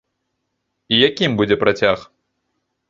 І якім будзе працяг?